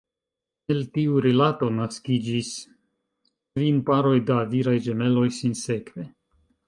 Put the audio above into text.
El tiu rilato naskiĝis kvin paroj da viraj ĝemeloj, sinsekve.